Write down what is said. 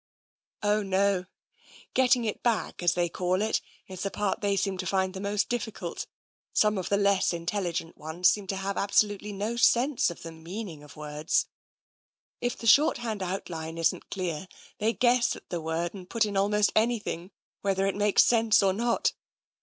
"" Oh, no ;* getting it back,' as they call it, is the part they seem to find most difficult. Some of the less intelligent ones seem to have absolutely no sense of the meaning of words. If the shorthand outline isn't clear, they guess at the word and put in almost any thing, whether it makes sense or not.